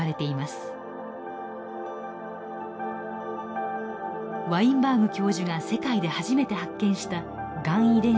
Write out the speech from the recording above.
ワインバーグ教授が世界で初めて発見したがん遺伝子のＲＡＳ。